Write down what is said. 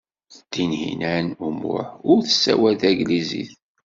Tinhinan u Muḥ ur tessawal tanglizit.